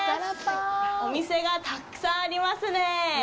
お店が、たっくさんありますね。